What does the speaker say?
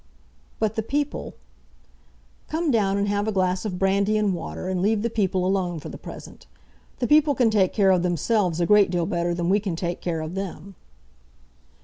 "But the people " "Come down and have a glass of brandy and water, and leave the people alone for the present. The people can take care of themselves a great deal better than we can take care of them."